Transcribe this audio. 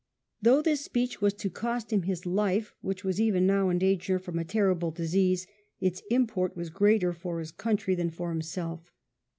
Though this speech was to cost him his life, which was even now in danger from a terrible disease, its import was greater for his country than for himself.